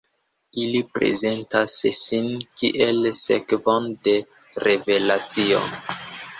Ili prezentas sin kiel sekvon de revelacio.